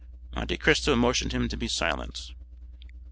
Monte Cristo motioned him to be silent.